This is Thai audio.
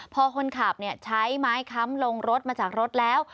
พอคนขับใช้ไม้ค้ำลงรถมาจากรถแล้ว